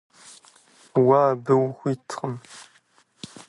Уэ абы ухуиткъым.